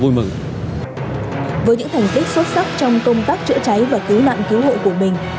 với những thành tích xuất sắc trong công tác chữa cháy và cứu nạn cứu hộ của mình